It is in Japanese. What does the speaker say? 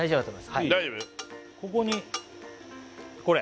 はいここにこれ？